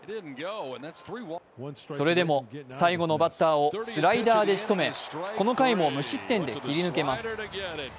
それでも、最後のバッターをスライダーでしとめこの回も無失点で切り抜けます。